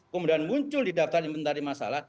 kemudian muncul di daftar imentari masalah